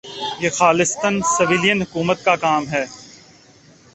یہ خالصتا سویلین حکومت کا کام ہے۔